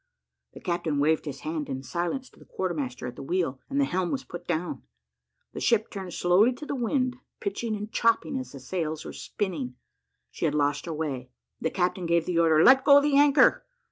The captain waved his hand in silence to the quarter master at the wheel, and the helm was put down. The ship turned slowly to the wind, pitching and chopping as the sails were spinning. She had lost her way, the captain gave the order, "Let go the anchor.